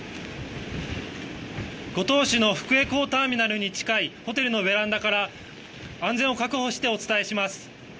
五島市の福江港ターミナルに近いホテルのベランダから安全を確保してお伝えします。